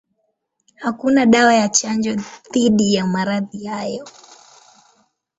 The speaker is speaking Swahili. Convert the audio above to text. Hakuna dawa ya chanjo dhidi ya maradhi hayo.